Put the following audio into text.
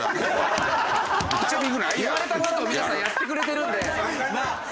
言われた事を皆さんやってくれてるんで。